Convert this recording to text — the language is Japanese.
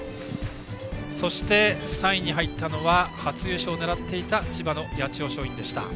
そして、３位に入ったのは初優勝を狙っていた千葉の八千代松陰でした。